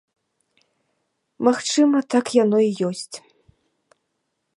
Магчыма, так яно і ёсць.